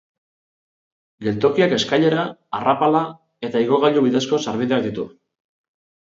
Geltokiak eskailera, arrapala eta igogailu bidezko sarbideak ditu.